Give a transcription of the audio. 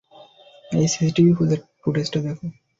এই সিসিটিভি ফুটেজটা দেখো।